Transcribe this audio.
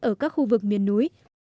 ở các khu vực miền núi